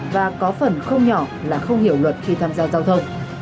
và có phần không nhỏ là không hiểu luật khi tham gia giao thông